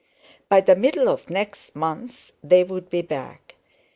By the middle of next month they would be back.